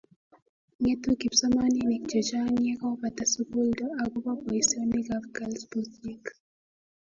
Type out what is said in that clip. ng'etu kipsomaninik che chang' ya kobata sukuldo akobo boisionikab kalbusiek